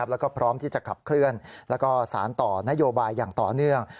แล้วก็พร้อมที่จะขับเคลื่อนแล้วก็สารต่อนโยบายอย่างต่อเนื่อง